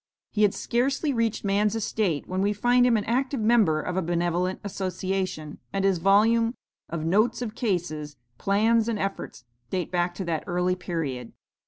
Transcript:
He had scarcely reached man's estate when we find him an active member of a benevolent association, and his volume, of notes of cases, plans and efforts, date back to that early period.